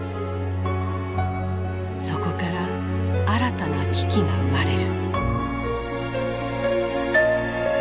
そこから新たな危機が生まれる。